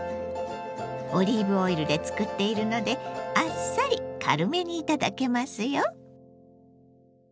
オリーブオイルで作っているのであっさり軽めに頂けますよ。